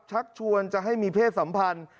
ชักชวนจะให้มีเพศสัมพันธ์